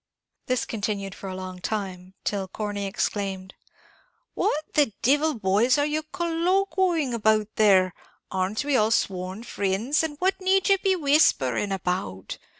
This continued for a long time, till Corney exclaimed, "What the divil, boys, are ye colloquing about there; arn't we all sworn frinds, and what need ye be whispering about?